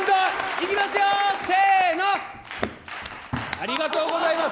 ありがとうございます。